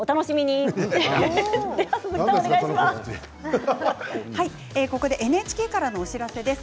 そしてＮＨＫからのお知らせです。